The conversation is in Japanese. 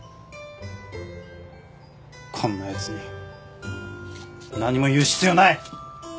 こんなやつに何も言う必要ない！